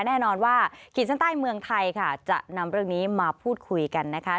แน่นอนว่าขีดเส้นใต้เมืองไทยค่ะจะนำเรื่องนี้มาพูดคุยกันนะคะ